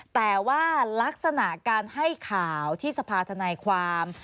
แต่ว่าลักษณะการให้ข่าวที่สภาธนายความ